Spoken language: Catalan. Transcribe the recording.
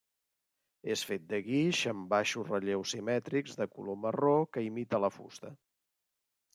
És fet de guix amb baixos relleus simètrics de color marró que imita la fusta.